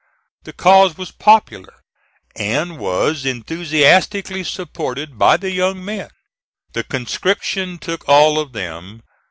The cause was popular, and was enthusiastically supported by the young men. The conscription took all of them.